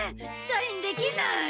サインできない！